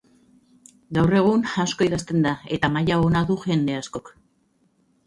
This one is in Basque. Gaur egun, asko idazten da, eta maila ona du jende askok.